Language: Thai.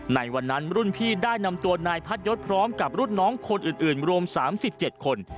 ในวันนั้นรุ่นพี่ได้นำตัวนายพัดยศพร้อมกับรุ่นน้องคนอื่นรวม๓๗คน